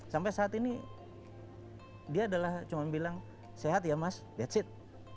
sampai saat ini dia adalah cuma bilang sehat ya mas that's it